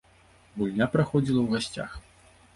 Гульня праходзіла ў гасцях.